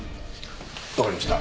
わかりました。